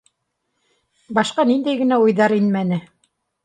Башҡа ниндәй генә уйҙар инмәне!